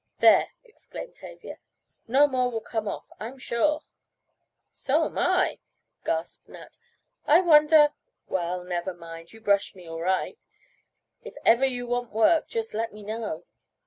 "There," exclaimed Tavia, "no more will come off, I'm sure." "So am I," gasped Nat. "I wonder well, never mind, you brushed me all right. If ever you want work just let me know."